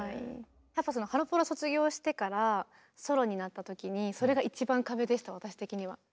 やっぱハロプロ卒業してからソロになった時にそれが一番壁でした私的には。